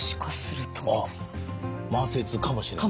あっ慢性痛かもしれない。